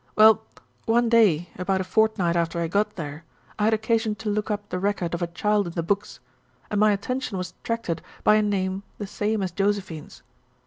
Well, one day, about a fortnight after I got there, I had occasion to look up the record of a child in the books, and my attention was attracted by a name the same as Josephine's.